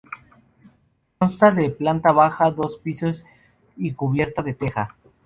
Consta de planta baja, dos pisos y cubierta de teja.